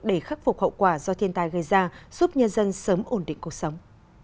để khắc phục hậu quả do thiên tai gây ra giúp nhân dân sớm ổn định cuộc sống